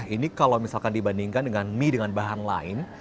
ini kalau misalkan dibandingkan dengan mie dengan bahan lain